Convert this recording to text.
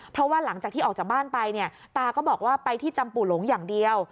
เพราะว่าหลังจากที่ออกจากบ้านไปเนี่ยตาก็บอกว่าไปที่จำปู่หลงอย่างเดียว